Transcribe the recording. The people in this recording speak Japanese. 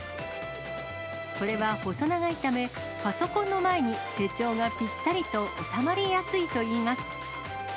これは細長いため、パソコンの前に手帳がぴったりと収まりやすいといいます。